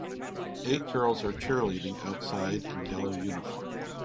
Eight girls are cheerleading outside in yellow uniforms.